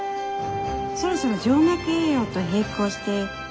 そろそろ静脈栄養と並行して。